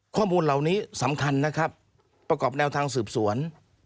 ข้อมูลเหล่านี้สำคัญนะครับประกอบแนวทางสืบสวน